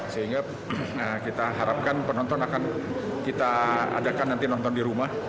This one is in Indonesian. sehingga kita harapkan penonton akan kita adakan nanti nonton di rumah